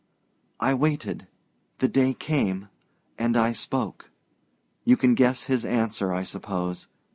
"I waited the day came, and I spoke. You can guess his answer, I suppose.